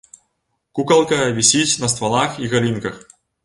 Кукалка вісіць на ствалах і галінках.